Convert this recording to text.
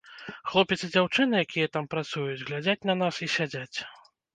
Хлопец і дзяўчына, якія там працуюць, глядзяць на нас і сядзяць.